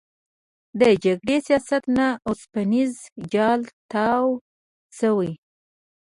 د جګړې سایټ نه اوسپنیز جال تاو شوی.